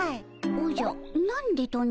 おじゃ「何で」とな？